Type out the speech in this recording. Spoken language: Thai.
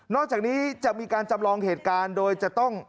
อกจากนี้จะมีการจำลองเหตุการณ์โดยจะต้อง